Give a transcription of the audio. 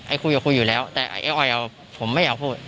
คุยกับคุยอยู่แล้วแต่ไอ้อ้อยผมไม่อยากพูด